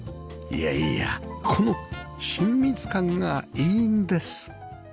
いやいやこの親密感がいいんです